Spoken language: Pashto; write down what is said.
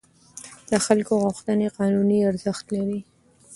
د خلکو غوښتنې قانوني ارزښت لري.